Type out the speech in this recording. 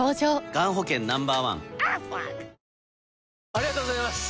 ありがとうございます！